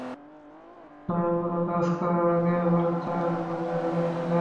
এখন আমি কোনো কাজ করার আগে একেবারে তার গভীরে ঢুকে যেতে চাই।